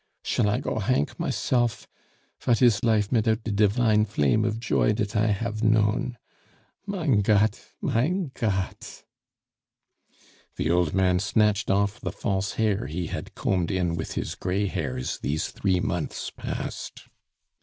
Shall I go hank myself? Vat is life midout de divine flame of joy dat I have known? Mein Gott, mein Gott!" The old man snatched off the false hair he had combed in with his gray hairs these three months past.